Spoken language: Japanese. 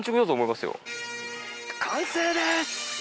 完成です。